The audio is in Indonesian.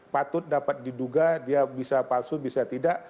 patut dapat diduga dia bisa palsu bisa tidak